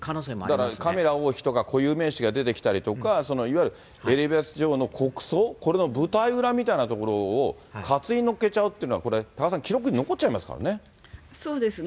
だから、カミラ王妃とか固有名詞が出てきたりとか、いわゆるエリザベス女王の国葬、これの舞台裏みたいなところを活字に乗っけちゃうというのは、これ、多賀さん、そうですね。